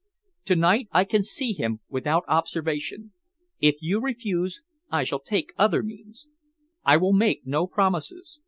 To night I can see him without observation. If you refuse, I shall take other means. I will make no promises.